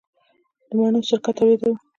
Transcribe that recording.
د مڼو سرکه تولیدوو؟